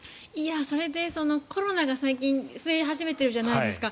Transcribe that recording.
それでコロナが最近増え始めているじゃないですか。